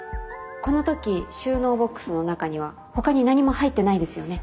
この時収納ボックスの中にはほかに何も入ってないですよね。